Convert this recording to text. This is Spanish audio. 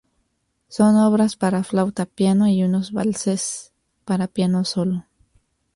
Son obras para flauta y piano y unos valses para piano solo.